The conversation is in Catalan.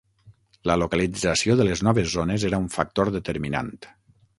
La localització de les noves zones era un factor determinant.